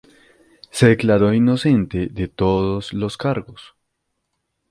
Se declaró inocente de todos los cargos.